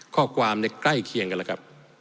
ข้อความในใกล้เคียงกันแล้วครับ